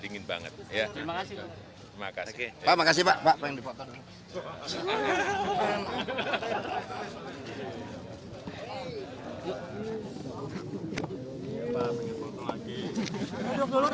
dinginnya ya tengah tengah lah